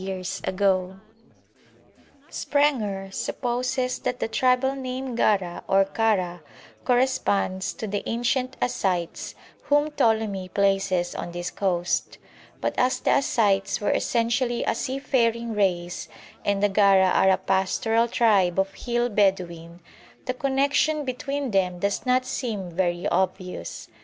[Illustration: A GARA FORGE] Sprenger (§ 449) supposes that the tribal name Gara or Kara corresponds to the ancient Ascites whom Ptolemy places on this coast; but as the Ascites were essentially a seafaring race, and the Gara are a pastoral tribe of hill Bedouin, the connection between them does not seem very obvious.